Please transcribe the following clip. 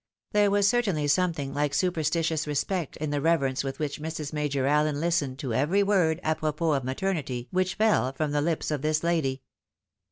There was certainly something hke superstitious respect in the rever ence with which Mrs. Major Allen listened to every word a propos of maternity which fell from the lips of this lady.